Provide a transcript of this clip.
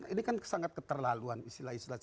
ini kan sangat keterlaluan istilah istilah